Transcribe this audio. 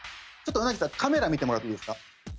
ちょっと鰻さんカメラ見てもらっていいですか。